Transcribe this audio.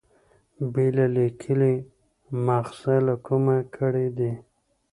بېله لیکلي مأخذه له کومه کړي دي.